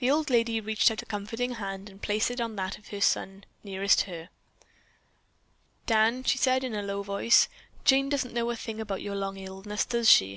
The old lady reached out a comforting hand and placed it on that of her son nearest her. "Dan," she said in a low voice, "Jane doesn't know a thing about your long illness, does she?